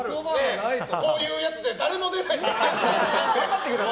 こういうやつで誰も出ないって。